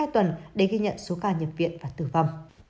tuần để ghi nhận số ca nhập viện và tử bong